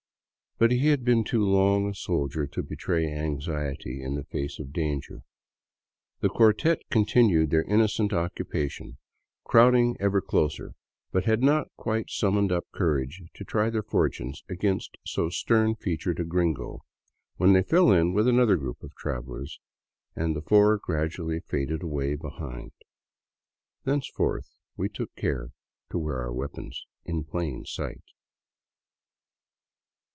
But he had been too long a soldier to betray anxiety in the face of danger. The quartet continued their innocent occupation, crowding ever closer, but had not quite summoned up courage to try their fortunes against so stern featured a gringo when they fell in with another group of travelers, and the four gradually faded away behind. Thenceforth we took care to wear our weapons in plain sight.